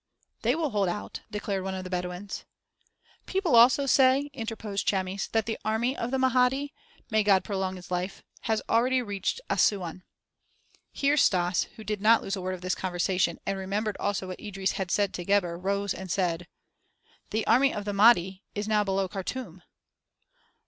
"They will hold out," declared one of the Bedouins. "People also say," interposed Chamis, "that the army of the Mahdi may God prolong his life has already reached Assuan." Here Stas, who did not lose a word of this conversation and remembered also what Idris had said to Gebhr, rose and said: "The army of the Mahdi is below Khartûm."